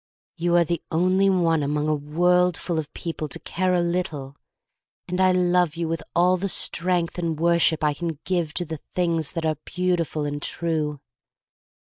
You are the only one among a worldful of people to care a little — and I love you with all the strength and worship I can give to the things that are beautiful and true.